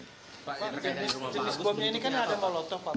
pak jenis bomnya ini kan ada malotok pak